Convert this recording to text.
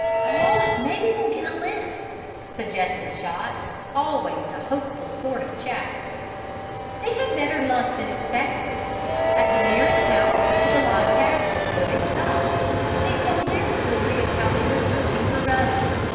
"Oh, maybe we'll get a lift," suggested Chot, always a hopeful sort of chap. They had better luck than they expected. At the nearest house to the log cabin, where they stopped, they told their story of how they were searching for Ruddy.